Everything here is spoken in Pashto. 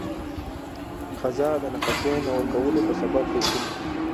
قضا د نفقې نه ورکولو په سبب بيلتون کوي.